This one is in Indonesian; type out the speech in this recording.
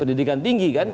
pendidikan tinggi kan